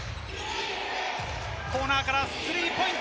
コーナーからスリーポイント。